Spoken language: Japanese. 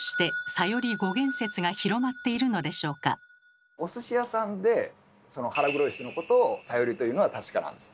ではおすし屋さんでその腹黒い人のことを「サヨリ」と言うのは確かなんです。